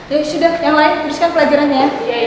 ya sudah yang lain teruskan pelajarannya